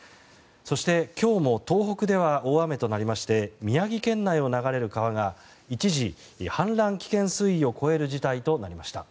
そして、今日も東北では大雨となりまして宮城県内を流れる川が一時氾濫危険水位を超える事態となりました。